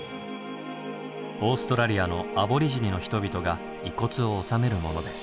オーストラリアのアボリジニの人々が遺骨を納めるものです。